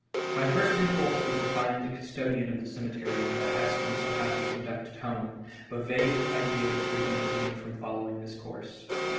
Y first impulse was to find the custodian of the cemetery and ask him to have me conducted home, but vague ideas prevented me from following this course.